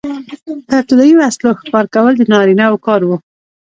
په ابتدايي وسلو ښکار کول د نارینه وو کار و.